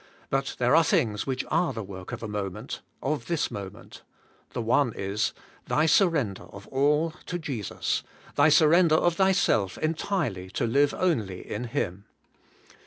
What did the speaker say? But there are things which are the work of a moment — of this moment. The one is — thy surrender of all to AT THIS MOMENT. 121 Jesus; thy surrender of thyself entirely to live only in Him.